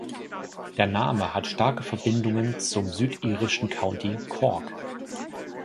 Der Name hat starke Verbindungen zum südirischen County Cork.